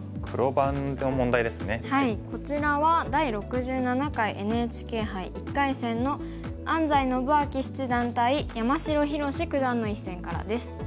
こちらは第６７回ＮＨＫ杯１回戦の安斎伸彰七段対山城宏九段の一戦からです。